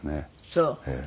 そう。